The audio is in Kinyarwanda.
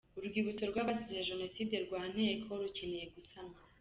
Urwibutso rw’abazize Jenoside rwa Nteko rukeneye gusanwa.